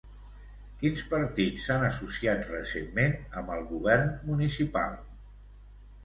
Quins partits s'han associat recentment amb el govern municipal?